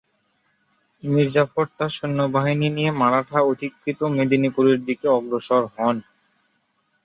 মীর জাফর তার সৈন্যবাহিনী নিয়ে মারাঠা-অধিকৃত মেদিনীপুরের দিকে অগ্রসর হন।